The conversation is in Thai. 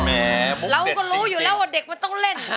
เราก็รู้อยู่แล้วว่าเด็กมันต้องเล่น